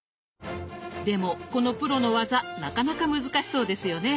でもこのプロの技なかなか難しそうですよね。